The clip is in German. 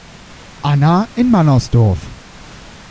Anna in Mannersdorf.